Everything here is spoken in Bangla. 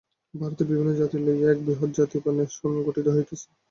ভারতের বিভিন্ন জাতি লইয়া এক বৃহৎ জাতি বা নেশন গঠিত হইতেছে।